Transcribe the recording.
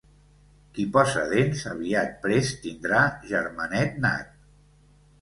Qui posa dents aviat prest tindrà germanet nat.